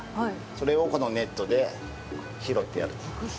それをこのネットで拾ってやると。